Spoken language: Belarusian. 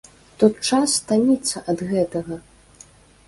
Тут час стаміцца ад гэтага.